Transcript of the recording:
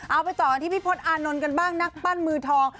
เอาไปต่อกันที่พี่พศอานนท์กันบ้างนักปั้นมือทอง